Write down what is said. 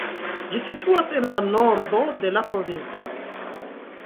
Ĝi situas en la nordo de la provinco.